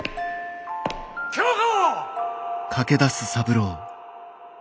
京子！